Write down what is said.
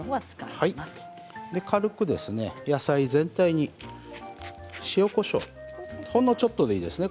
軽く野菜全体に塩、こしょうほんのちょっとでいいですね。